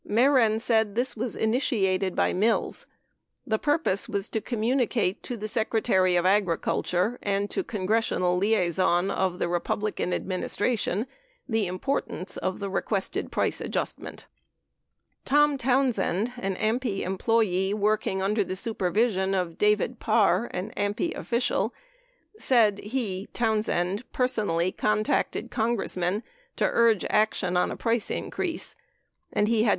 Mehren said this was initiated by Mills. The purpose was to communicate to the Secretary of Agriculture and to congressional liaison of the Repub lican administration the importance of the requested price adjustment. Tom Townsend, an AMPI employee working under the supervision of David Parr, an AMPI official, said he (Townsend) personally con tacted Congressmen to urge action on a price increase, and he had 10 Mehren, 16 Hearings 7317.